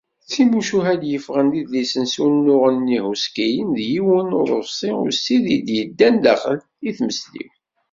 D timucuha i d-yeffɣen d idlisen s wunuɣen yehhuskin d yiwen uḍebsi ussid i d-yeddan daxel i tmesliwt.